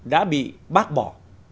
đã bị bác bỏ